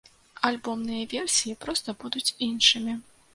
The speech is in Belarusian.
Альбомныя версіі проста будуць іншымі.